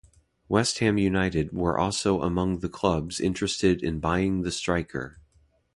West Ham United were also among the clubs interested in buying the striker.